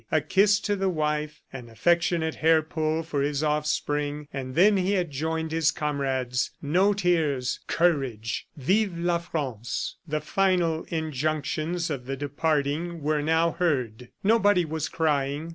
A kiss to the wife, an affectionate hair pull for his offspring, and then he had joined his comrades. ... No tears. Courage! ... Vive la France! The final injunctions of the departing were now heard. Nobody was crying.